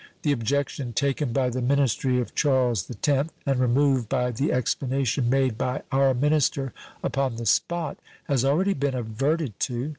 The objection taken by the ministry of Charles X, and removed by the explanation made by our minister upon the spot, has already been adverted to.